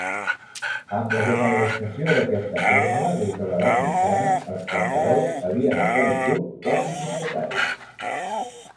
Amb la generalització d'aquesta fórmula des de l'edat mitjana, els camperols havien esdevingut quasi propietaris.